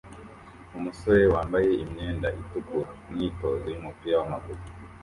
Umusore wambaye imyenda itukura kumyitozo yumupira wamaguru